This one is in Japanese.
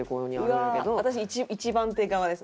私一番手側です。